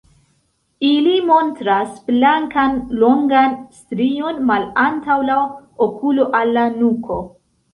Ili montras blankan longan strion malantaŭ la okulo al la nuko.